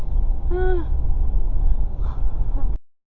เกือบติ้งสวย